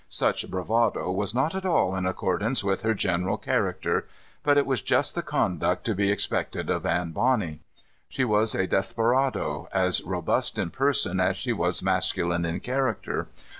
Such bravado was not at all in accordance with her general character. But it was just the conduct to be expected of Anne Bonny. She was a desperado, as robust in person as she was masculine in character.